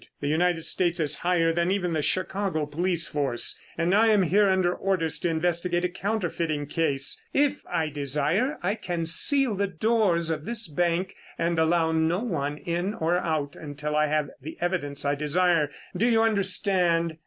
The United States is higher than even the Chicago police force, and I am here under orders to investigate a counterfeiting case. If I desire, I can seal the doors of this bank and allow no one in or out until I have the evidence I desire. Do you understand?"